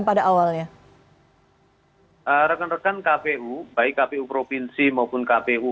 pada awalnya hai rekan rekan kpu baik kpu provinsi maupun kpu kabupaten kota ya skip aceh akibah